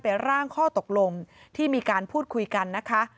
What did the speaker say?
ร่างข้อตกลงที่มีการพูดคุยกันนะคะ